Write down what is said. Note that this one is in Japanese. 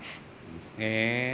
へえ。